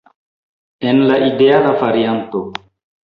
En la ideala varianto.